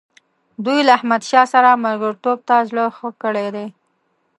دوی له احمدشاه سره ملګرتوب ته زړه ښه کړی دی.